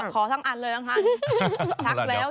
ขอทั้งอันเลยนะครับ